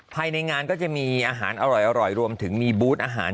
ภายในงานก็จะมีอาหารอร่อยรวมถึงมีบูธอาหาร